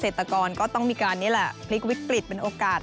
ตกรก็ต้องมีการนี่แหละพลิกวิกฤตเป็นโอกาส